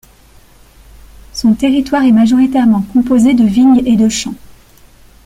Son territoire est majoritairement composé de vignes et de champs.